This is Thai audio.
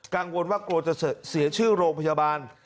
กังวลว่ากลัวจะเสียชื่อโรงพยาบาล